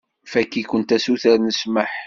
Fakk-ikent asuter n ssmaḥ.